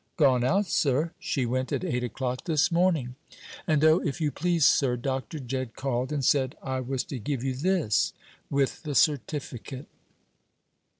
"Gone out, sir; she went at eight o'clock this morning. And O, if you please, sir, Dr. Jedd called, and said I was to give you this with the certificate."